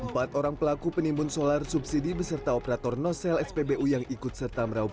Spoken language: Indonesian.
empat orang pelaku penimbun solar subsidi beserta operator nosel spbu yang ikut serta meraup